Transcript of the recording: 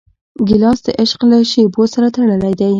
ګیلاس د عشق له شېبو سره تړلی دی.